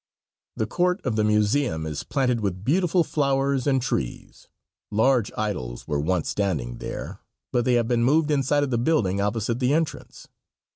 The court of the museum is planted with beautiful flowers and trees. Large idols were once standing there, but they have been moved inside of the building opposite the entrance.